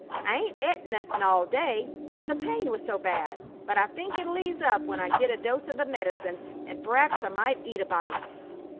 I 'ain't et nothin' all day 'cause the pain was so bad, but I think it'll ease up when I git a dose of the medicine, and p'r'aps I might eat a bite."